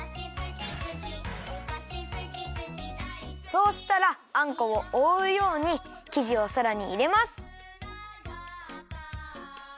そうしたらあんこをおおうようにきじをさらにいれます。